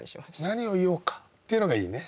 「何を言おうか」っていうのがいいね。